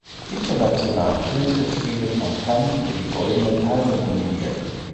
Internationalen Filmfestspiele von Cannes für die Goldene Palme nominiert.